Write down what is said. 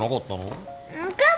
分かったよ。